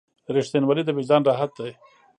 • رښتینولی د وجدان راحت دی.